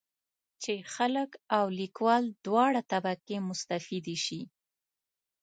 چې خلک او لیکوال دواړه طبقې مستفیدې شي.